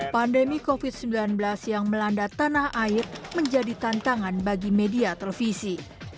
pandemi covid sembilan belas yang melanda tanah air menjadi tantangan bagi media televisi